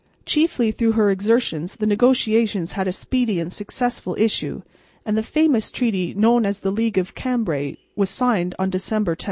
Chiefly through her exertions the negotiations had a speedy and successful issue, and the famous treaty known as the League of Cambray was signed on December 10.